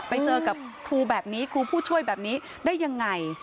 ไปเจอกับครูแบบนี้ครูผู้ช่วยแบบนี้ได้ยังไง